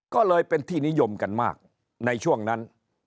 ก็เลยเป็นที่นิยมกันมากในช่วงนั้น